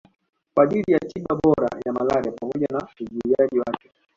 kwa ajili ya tiba bora ya malaria pamoja na uzuiaji wake